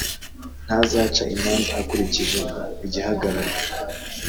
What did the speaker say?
Ntazaca imanza akurikije igihagararo,